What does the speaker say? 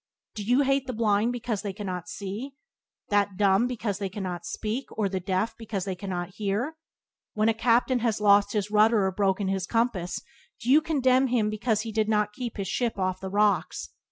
Do you hate the blind because they cannot see, that dumb because they cannot speak, or the deaf because they cannot hear? When a captain has lost his rudder or broken his compass, do you condemn him because he did not keep his ship off the rocks?